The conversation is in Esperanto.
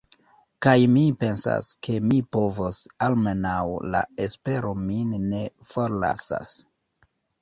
Kaj mi pensas, ke mi povos, almenaŭ la espero min ne forlasas.